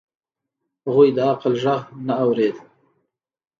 هغوی د عقل غږ نه اورېد.